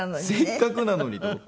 せっかくなのにと思って。